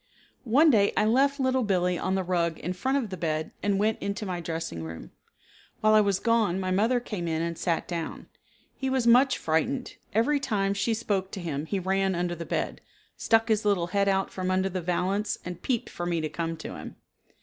One day I left Little Billee on the rug in front of the bed and went into my dressing room. While I was gone my mother came in and sat down. He was much frightened. Every time she spoke to him he ran under the bed, stuck his little head out from under the valance and peeped for me to come to him.